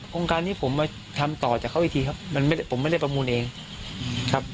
โครงการนี้ผมมาทำต่อจากเขาอีกทีครับมันไม่ได้ผมไม่ได้ประมูลเองครับ